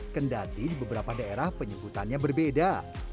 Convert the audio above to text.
kendati di beberapa daerah penyebutannya berbeda